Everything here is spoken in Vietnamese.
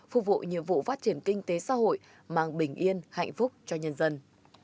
phục vụ nhiệm vụ phát triển kinh tế xã hội mang bình yên hạnh phúc cho nhân dân